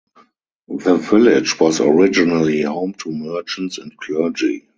The village was originally home to merchants and clergy.